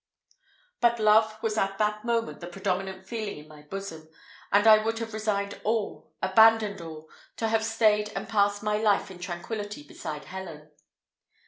But love was at that moment the predominant feeling in my bosom, and I would have resigned all, abandoned all, to have stayed and passed my life in tranquillity beside Helen.